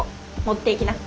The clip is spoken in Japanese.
持っていきな。